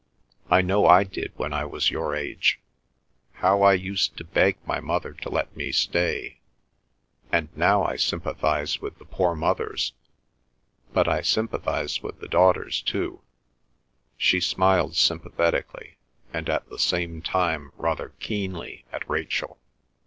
"I know I did when I was your age. How I used to beg my mother to let me stay—and now I sympathise with the poor mothers—but I sympathise with the daughters too!" She smiled sympathetically, and at the same time rather keenly, at Rachel.